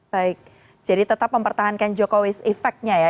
baik jadi tetap mempertahankan jokowis efeknya ya